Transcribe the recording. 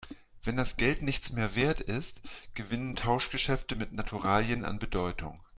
Wenn das Geld nichts mehr Wert ist, gewinnen Tauschgeschäfte mit Naturalien an Bedeutung.